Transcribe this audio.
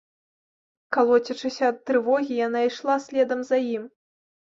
Калоцячыся ад трывогі, яна ішла следам за ім.